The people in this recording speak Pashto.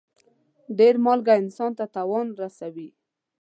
ډېر مالګه انسان ته تاوان رسوي.